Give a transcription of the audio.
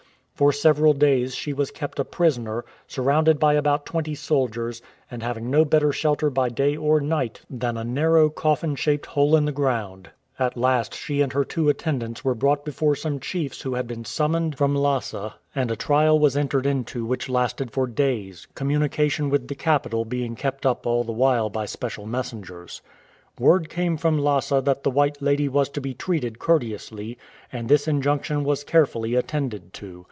For several days she was kept a prisoner, surrounded by about twenty soldiers, and having no better shelter by day or night than a narrow coffin shaped hole in the ground. At last she and her two attendants were brought before some chiefs who had been summoned from ^5 RETURN TO CHINA Lhasa, and a trial was entered into which lasted for days, communication with the capital being kept up all the while by special messengers. Word came from Lhasa that the white lady was to be treated courteously, and this injunction was carefully attended to.